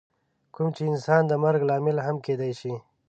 کوم چې انسان د مرګ لامل هم کیدی شي.